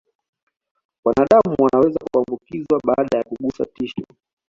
Wanadamu wanaweza kuambukizwa baada ya kugusa tishu